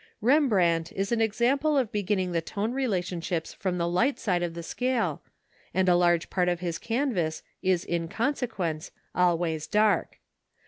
Rembrandt is an example of beginning the tone relationships from the light side of the scale, and a large part of his canvas is in consequence always dark.